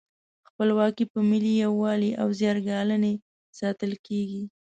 خپلواکي په ملي یووالي او زیار ګالنې ساتل کیږي.